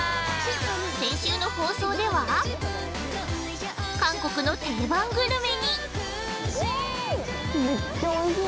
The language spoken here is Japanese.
◆先週の放送では韓国の定番グルメに。